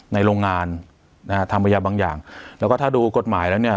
โรงงานนะฮะทำพยายามบางอย่างแล้วก็ถ้าดูกฎหมายแล้วเนี่ย